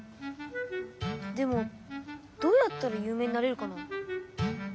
でもどうやったらゆう名になれるかな？